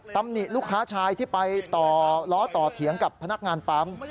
ตำหนิลูกค้าชายที่ไปต่อล้อต่อเถียงกับพนักงานปั๊ม